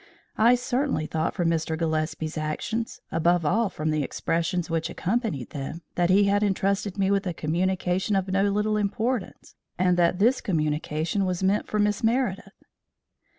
"I certainly thought from Mr. Gillespie's actions, above all from the expressions which accompanied them, that he had entrusted me with a communication of no little importance, and that this communication was meant for Miss Meredith."